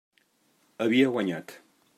Havia guanyat.